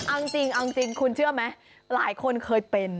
อังจริงคุณเชื่อไหมหลายคนเคยเป็น